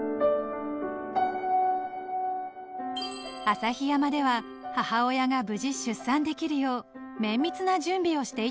［旭山では母親が無事出産できるよう綿密な準備をしていたんです］